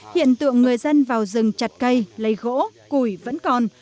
hiện tượng người dân vào rừng chặt cây lấy gỗ củi vẫn còn